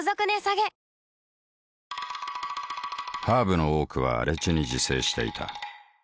ハーブの多くは荒地に自生していた。